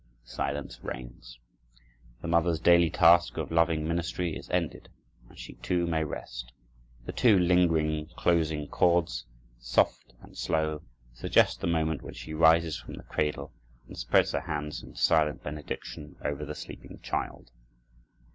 Silence reigns. The mother's daily task of loving ministry is ended and she, too, may rest. The two lingering closing chords, soft and slow, suggest the moment when she rises from the cradle and spreads her hands in silent benediction over the sleeping child.